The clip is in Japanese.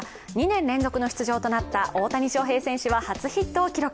２年連続の出場となった大谷翔平選手は初ヒットを記録。